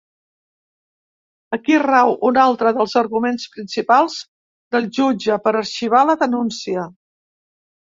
Aquí rau un altre dels arguments principals del jutge per a arxivar la denúncia.